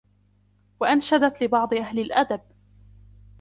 وَأَنْشَدْت لِبَعْضِ أَهْلِ الْأَدَبِ